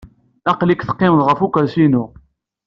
Aql-ik teqqimeḍ ɣef ukersi-inu.